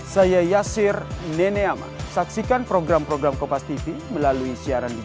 saya rasa itu dari saya tambahannya